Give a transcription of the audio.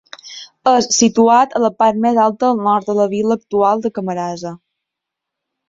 És situat a la part més alta al nord de la vila actual de Camarasa.